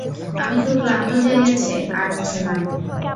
আমি খুব ক্লান্ত হয়ে গেছে আর কিছু না।